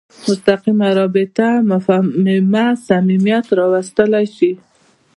مستقیمه رابطه او مفاهمه صمیمیت راوستلی شي.